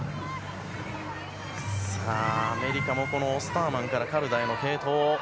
アメリカもオスターマンからカルダへの継投。